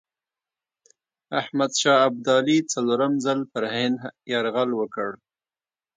احمدشاه ابدالي څلورم ځل پر هند یرغل وکړ.